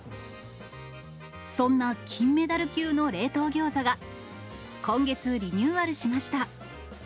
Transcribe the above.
そんな金メダル級の冷凍ギョーザが、今月リニューアルしました。